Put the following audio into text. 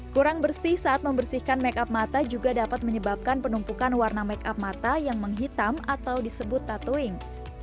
kurang bersih saat membersihkan makeup mata juga dapat menyebabkan penumpukan warna makeup mata yang menghitam atau disebut tattooing